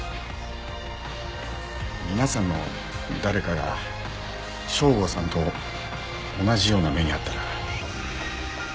皆さんの誰かが省吾さんと同じような目に遭ったら。